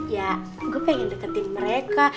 ya gue pengen deketin mereka